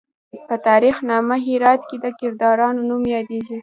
په تاریخ نامه هرات کې د کردانو نوم یادیږي.